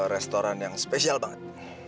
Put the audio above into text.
restoran yang spesial banget